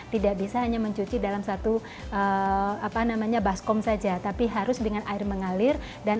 tidak bisa hanya mencuci dalam satu apa namanya baskom saja tapi harus dengan air mengalir dan